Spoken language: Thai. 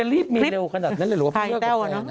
มันจะรีบมีเร็วขนาดนั้นหรือว่าเพื่อเลือกกับแม่นะ